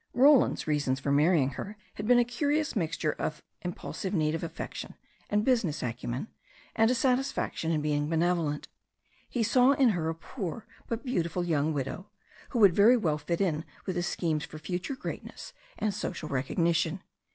Roland's reasons for marrying her had been a curious mix ture of impulsive need of affection, and business acumen, and a satisfaction in being benevolent. He saw in her a THE STORY OF A NEW ZEALAND MVER 67 poor, but beautiful young widow, who would very well fit in with his schemes for future greatness and social recogni tion.